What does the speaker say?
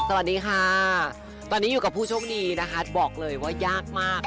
สวัสดีค่ะตอนนี้อยู่กับผู้โชคดีนะคะบอกเลยว่ายากมาก